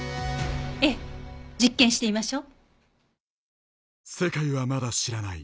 ええ。実験してみましょう。